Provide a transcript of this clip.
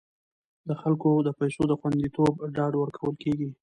د خلکو د پیسو د خوندیتوب ډاډ ورکول کیږي.